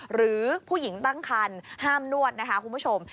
หรือผู้หญิงตั้งคันห้ามนวดนะคะคุณผู้ชม